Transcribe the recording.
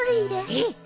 えっ！？